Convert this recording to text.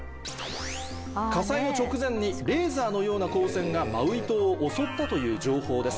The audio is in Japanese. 火災の直前にレーザーのような光線がマウイ島を襲ったという情報です。